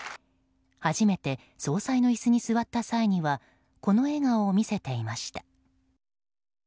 初めて総裁の椅子に座った際にはこの笑顔を見せていました。